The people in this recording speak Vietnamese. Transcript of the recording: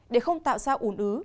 để không tạo ra ủn ứ